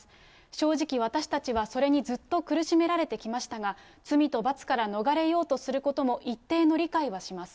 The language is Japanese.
正直、私たちはそれにずっと苦しめられてきましたが、罪と罰から逃れようとすることも一定の理解はします。